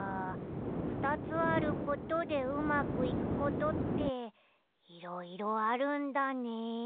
２つあることでうまくいくことっていろいろあるんだね。